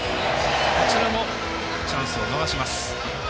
こちらも、チャンスを逃します。